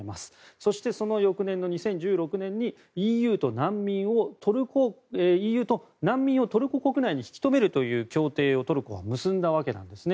そして、その翌年の２０１６年にＥＵと難民をトルコ国内に引き留めるという協定をトルコが結んだわけですね。